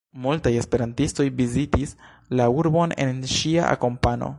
Multaj esperantistoj vizitis la urbon en ŝia akompano.